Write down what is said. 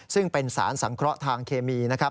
ซึ่งเป็นสารสังเคราะห์ทางเคมีนะครับ